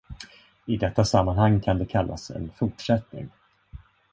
I detta sammanhang kan det kallas en "fortsättning".